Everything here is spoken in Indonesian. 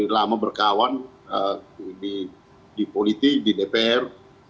lama berkawan di politik di dpr